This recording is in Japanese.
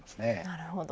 なるほど。